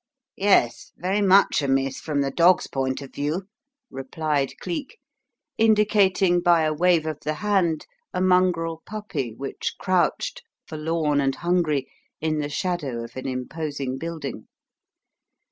"Yes; very much amiss from the dog's point of view," replied Cleek, indicating by a wave of the hand a mongrel puppy which crouched, forlorn and hungry, in the shadow of an imposing building.